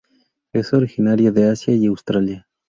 Es originaria de Asia y Australia.